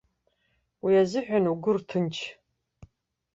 Уи азыҳәан угәы рҭынч!